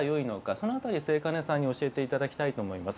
その辺り、末兼さんに教えていただきたいと思います。